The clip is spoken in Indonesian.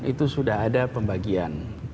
itu sudah ada pembagian